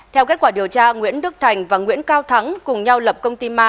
theo kết quả điều tra nguyễn đức thành và nguyễn cao thắng cùng nhau lập công ty ma